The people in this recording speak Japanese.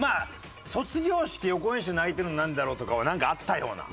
「卒業式予行演習泣いてるのなんでだろう？」とかはなんかあったような。